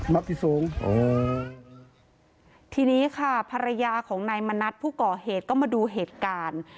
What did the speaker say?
ที่สูงอ๋อทีนี้ค่ะภรรยาของนายมณัฐผู้ก่อเหตุก็มาดูเหตุการณ์